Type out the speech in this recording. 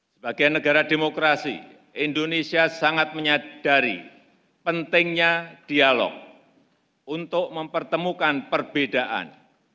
sebagai negara demokrasi indonesia sangat menyadari pentingnya dialog untuk mempertemukan perbedaan